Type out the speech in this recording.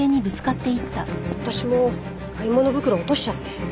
私も買い物袋落としちゃって。